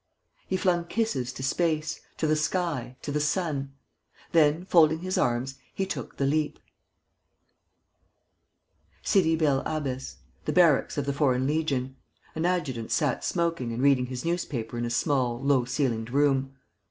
He flung kisses to space, to the sky, to the sun. ... Then, folding his arms, he took the leap. Sidi bel Abbes. The barracks of the Foreign Legion. An adjutant sat smoking and reading his newspaper in a small, low ceilinged room.